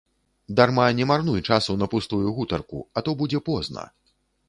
Дарма не марнуй часу на пустую гутарку, а то будзе позна.